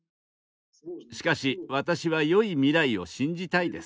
しかし私はよい未来を信じたいです。